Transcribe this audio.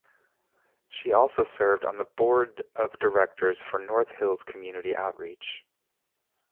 She also served on the Board of Directors for North Hills Community Outreach.